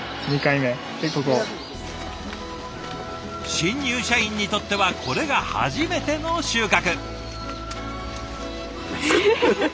新入社員にとってはこれが初めての収穫。